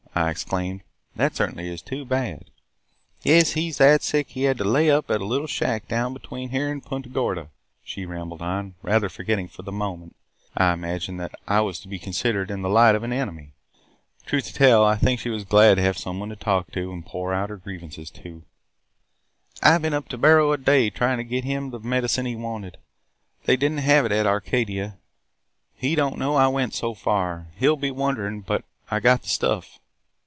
I exclaimed. 'That certainly is too bad!' "'Yes, he 's that sick he had to lay up at a little shack down between here an' Punta Gorda,' she rambled on, rather forgetting for the moment, I imagine, that I was to be considered in the light of an enemy. Truth to tell, I think she was glad of some one to talk to and pour out her grievances to. 'I been up to Bartow to day to try an' get him the medicine he wanted. They did n't have it at Arcadia. He don't know I went so far. He 'll be wonderin' – but I got the stuff!'